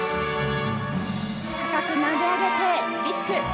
高く投げ上げてリスク。